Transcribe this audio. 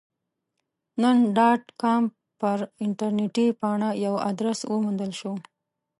نن ډاټ کام پر انټرنیټي پاڼه یو ادرس وموندل شو.